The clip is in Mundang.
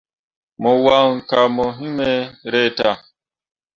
Mo wan kah mo hiŋ me reta.